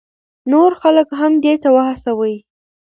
نور خلک هم دې ته وهڅوئ.